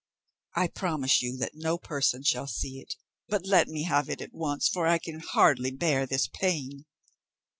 "I promise you that no person shall see it; but let me have it at once, for I can hardly bear this pain."